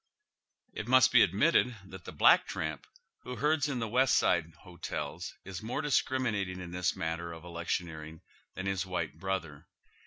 It must be admitted that the black tramp who herds in the West Side " hotels " is more discriminating in this matter of electioneering than his white brother.